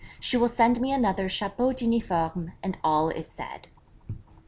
She will send me another chapeau d'uniforme, and all is said.'